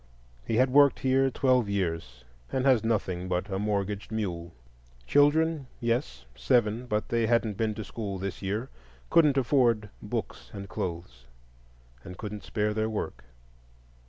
He had worked here twelve years and has nothing but a mortgaged mule. Children? Yes, seven; but they hadn't been to school this year,—couldn't afford books and clothes, and couldn't spare their work.